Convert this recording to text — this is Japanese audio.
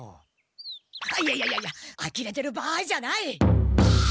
あいやいやいやあきれてる場合じゃない！